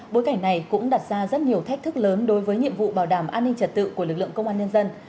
bối cảnh này cũng đặt ra rất nhiều thách thức lớn đối với nhiệm vụ bảo đảm an ninh trật tự của lực lượng công an nhân dân